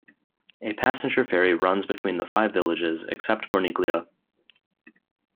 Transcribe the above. A passenger ferry runs between the five villages, except Corniglia.